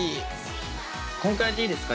こんくらいでいいですか？